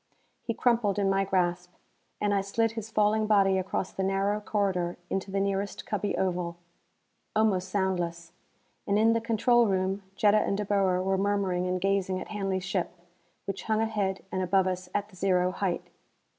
He crumpled in my grasp, and I slid his falling body across the narrow corridor into the nearest cubby oval. Almost soundless; and in the control room Jetta and De Boer were murmuring and gazing at Hanley's ship, which hung ahead and above us at the zero height.